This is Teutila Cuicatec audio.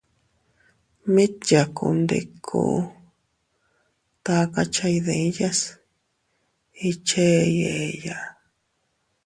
Mit yakundiku, takacha iydiyas ichey eeya.